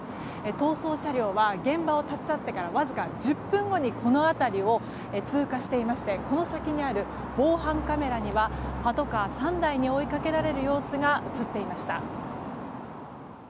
逃走車両は現場を立ち去ってからわずか１０分後にこの辺りを通過していましてこの先にある防犯カメラにはパトカー３台に追いかけられる様子が映っていました。